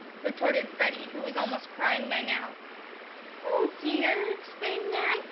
retorted Freddie, who was almost crying now. "Oh, dear!" exclaimed Nan.